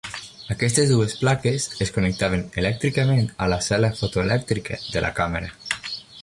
Aquestes dues plaques es connectaven elèctricament a la cel·la fotoelèctrica de la càmera.